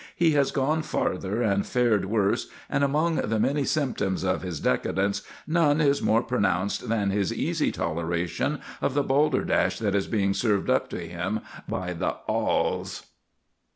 He has gone farther and fared worse, and among the many symptoms of his decadence, none is more pronounced than his easy toleration of the balderdash that is being served up to him by the "'alls."